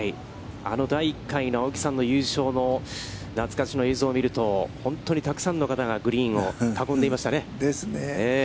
あの第１回の青木さんの優勝の懐かしの映像を見ると、本当にたくさんの方がグリーンを囲んでいましたね。ですね。